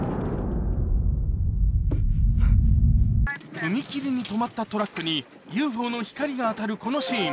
踏切に止まったトラックにＵＦＯの光が当たるこのシーン